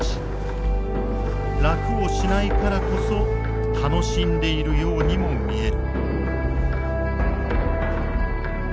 楽をしないからこそ楽しんでいるようにも見える。